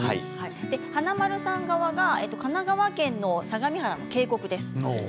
華丸さん側が神奈川県の相模原の渓谷です。